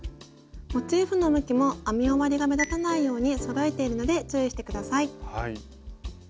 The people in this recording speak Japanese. モチーフの向きも編み終わりが目立たないようにそろえているので注意して下さい。